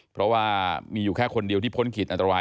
เพราะว่ามีอยู่แค่คนเดียวที่พ้นขีดอันตราย